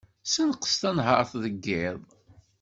Senqes tanhart deg yiḍ.